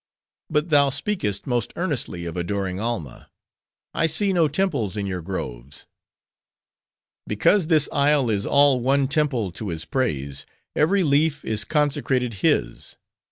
"But thou speakest most earnestly of adoring Alma:—I see no temples in your groves." "Because this isle is all one temple to his praise; every leaf is consecrated his.